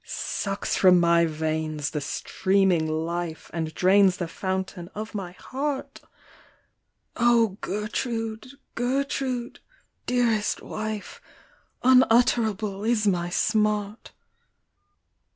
11 Sucks from my veins the streaming iife, And drains the fountain of my heart ! Gertrude, Gertrude ! dearest wife ! Unutterable is my smart.